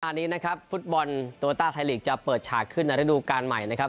อันนี้นะครับฟุตบอลโตโลต้าไทยลีกจะเปิดฉากขึ้นในระดูการใหม่นะครับ